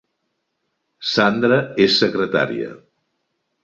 Sandra és secretària